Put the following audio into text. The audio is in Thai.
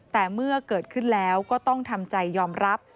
แต่เมื่อเกิดขึ้นแล้วก็ต้องทำใจยอมรับ